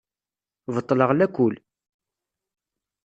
Beṭleɣ lakul.